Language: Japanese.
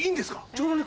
ちょうどね